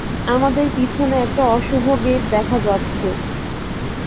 আমাদের পিছনে একটা অশুভ গেট দেখা যাচ্ছে।